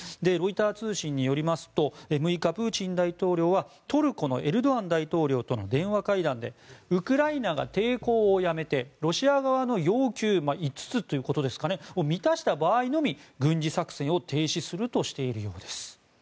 ロイター通信によりますと６日、プーチン大統領はトルコのエルドアン大統領との電話会談でウクライナが抵抗をやめてロシア側の要求５つを満たした場合のみ、軍事作戦を停止するとしているようです。